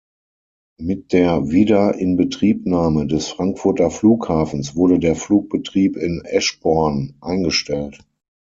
Mit der Wiederinbetriebnahme des Frankfurter Flughafens wurde der Flugbetrieb in Eschborn eingestellt.